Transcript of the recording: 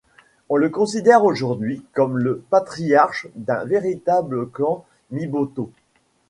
On le considère aujourd'hui comme le patriarche d'un véritable clan Myboto.